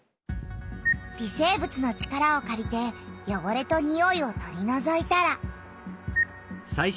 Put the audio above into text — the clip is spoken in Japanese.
微生物の力をかりてよごれとにおいを取りのぞいたら。